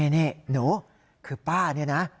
นี่หนูคือป้านี่นะ